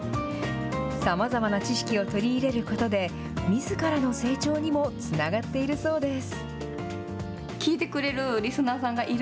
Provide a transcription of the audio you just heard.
さまざまな知識を取り入れることで、みずからの成長にもつながっているそうです。